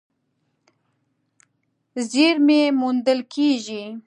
زېرمې موندل کېږي.